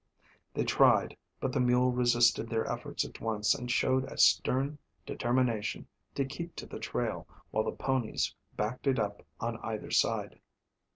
They tried, but the mule resisted their efforts at once and showed a stern determination to keep to the trail, while the ponies backed it up on either side.